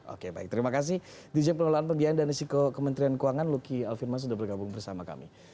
oke baik terima kasih dirjen pengelolaan pembiayaan dan risiko kementerian keuangan luki alfirman sudah bergabung bersama kami